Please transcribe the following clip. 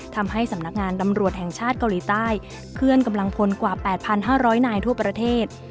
ทำให้สำนักงานตำรวจแห่งชาติเกาหลีใต้เคลื่อนกำลังพลกว่า๘๕๐๐นายทั่วประเทศ